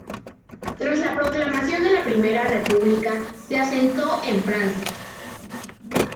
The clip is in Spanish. Tras la proclamación de la Primera República se asentó en Francia.